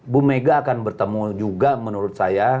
bu mega akan bertemu juga menurut saya